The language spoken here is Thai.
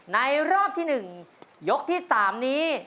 ในรอบที่๑ยกที่๓นี้